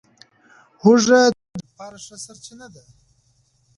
هوږه د سلفر ښه سرچینه ده.